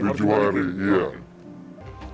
banyak masyarakat yang melaporkan